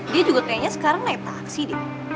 dia juga kayaknya sekarang naik taksi dia